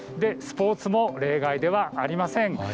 スポーツも例外ではありません。